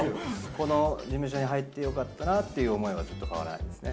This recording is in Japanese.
この事務所に入ってよかったなっていう思いはずっと変わらないですね。